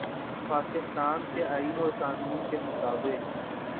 پاکستان کے آئین و قانون کے مطابق